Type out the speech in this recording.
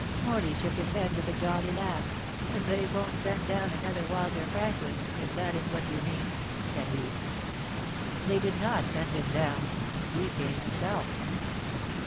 Morley shook his head with a jolly laugh. "They won't send down another Walter Franklin, if that is what you mean," said he. "They did not send him down. He came himself."